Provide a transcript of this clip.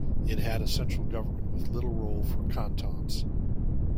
It had a central government with little role for cantons.